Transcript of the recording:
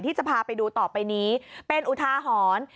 ที่จะพาไปดูต่อไปนี้เป็นอุทาหรณ์